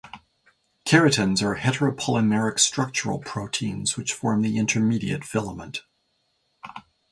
Keratins are heteropolymeric structural proteins which form the intermediate filament.